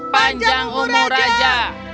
panjang umur raja